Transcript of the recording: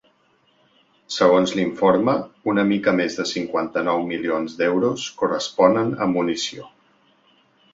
Segons l’informe, una mica més de cinquanta-nou milions d’euros corresponen a munició.